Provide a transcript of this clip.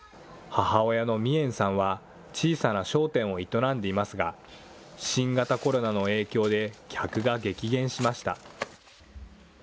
母親のミエンさんは小さな商店を営んでいますが、新型コロナの影響で客が激減しました。